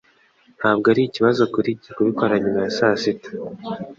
Ntabwo ari ikibazo kuri njye kubikora nyuma ya saa sita